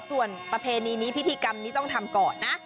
ส่วนประเพณีนี้พิธีกรรมนี้ต้องทำก่อนนะ